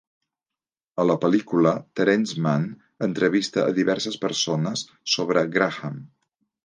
A la pel·lícula, Terence Mann entrevista a diverses persones sobre Graham.